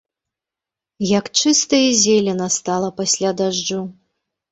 Як чыста і зелена стала пасля дажджу.